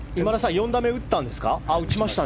４打目打ったんですか？